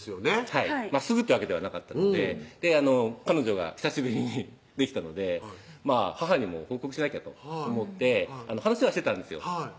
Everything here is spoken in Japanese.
はいすぐってわけではなかったので彼女が久しぶりにできたので母にも報告しなきゃと想って話はしてたんですよ